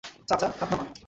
চাচা --- হাত নামা।